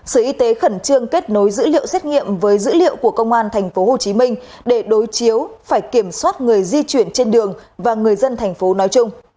sở y tế khẩn trương kết nối dữ liệu xét nghiệm với dữ liệu của công an tp hcm để đối chiếu phải kiểm soát người di chuyển trên đường và người dân thành phố nói chung